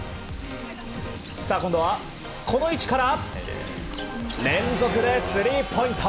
今度は、この位置から連続でスリーポイント。